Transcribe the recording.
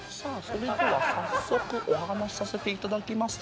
それでは早速お話しさせていただきます。